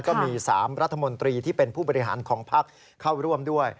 ก็มี๓รัฐมนตรีที่เป็นผู้บริหารของภักดิ์เข้าร่วมด้วย